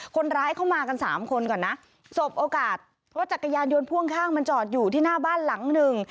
คนร้ายเข้ามากันสามคนก่อนนะสบโอกาสรถจักรยานยนต์พ่วงข้างมันจอดอยู่ที่หน้าบ้านหลังหนึ่ง